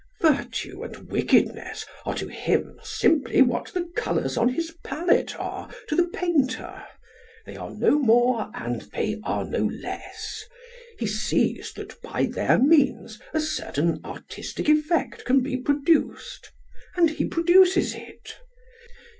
Virtue and wickedness are to him simply what the colours on his palette are to the painter. They are no more, and they are no less. He sees that by their means a certain artistic effect can be produced and he produces it.